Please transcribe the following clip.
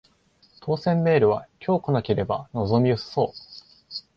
当せんメールは今日来なければ望み薄そう